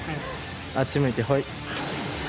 あっち向いてホイ。